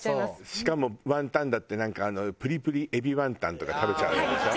しかもワンタンだってなんかあのプリプリエビワンタンとか食べちゃうんでしょ？